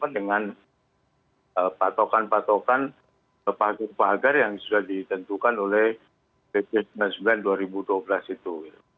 dengan patokan patokan pagar pagar yang sudah ditentukan oleh pp sembilan puluh sembilan dua ribu dua belas itu